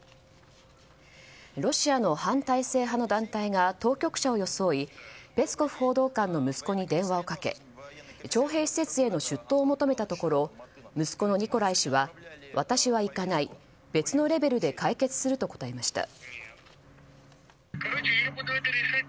ロシアの反体制派の団体が当局者を装い、ペスコフ報道官の息子に電話をかけ徴兵施設への出頭を求めたところ息子のニコライ氏は私は行かない、別のレベルで解決すると答えました。